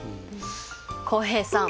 浩平さん。